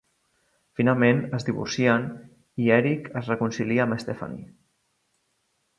Finalment es divorcien i Eric es reconcilia amb Stephanie.